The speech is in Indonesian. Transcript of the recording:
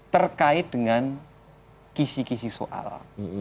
terkait dengan kisi kisi soal